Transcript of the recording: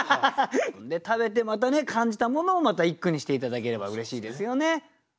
食べてまたね感じたものをまた一句にして頂ければうれしいですよね。